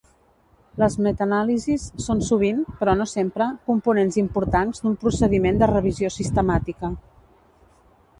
Les metanàlisis són sovint, però no sempre, components importants d'un procediment de revisió sistemàtica.